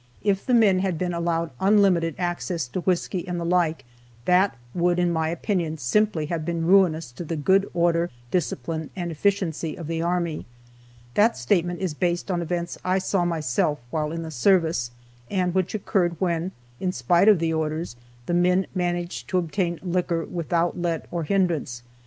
If the men had been allowed unlimited access to whisky, and the like, that would, in my opinion, simply have been ruinous to the good order, discipline, and efficiency of the army. That statement is based on events I saw myself while in the service, and which occurred when, in spite of the orders, the men managed to obtain liquor without let or hindrance.